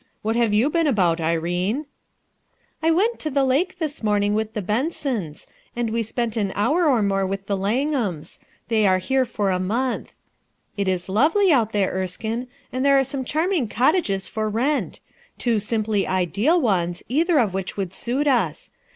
What have you been about, Irene?" "I went to the lake this morning with the Bensons; and wc spent an hour or more with the Langham3; they are here for a month. It is lovely out there, Erskine, and there are some charming cottages for rent. Two simply irleal ones, either of which would suit us.